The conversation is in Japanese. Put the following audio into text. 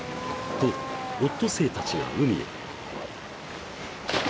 ［とオットセイたちが海へ］